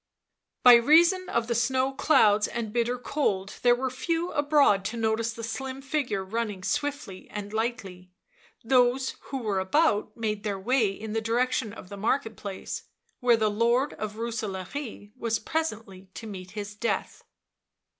By reason of the snow clouds and bitter cold there were few abroad to notice the slim figure running swiftly and lightly those who were about made their way in the direction of the market place, where the Lord of Rooselaare was nnp S fi ntl d t0 death.